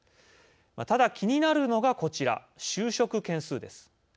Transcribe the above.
ただ、気になるのが、こちら就職件数です。